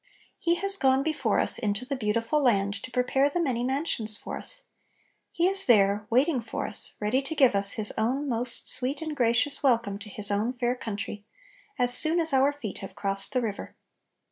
He has gone before us into the beau tiful land to prepare the many man* sions for us. He is there, waiting for us, ready to give us His own most sweet and gracious welcome to His own fair country, as soon as our feet have crossed the river.